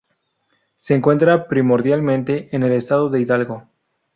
Se encuentra primordialmente en el estado de Hidalgo.